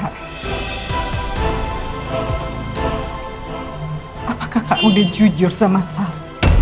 apakah kakak sudah jujur sama sal